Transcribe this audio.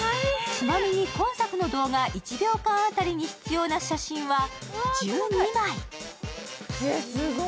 ちなみに今作の動画１秒間当たりに必要な写真は１２枚。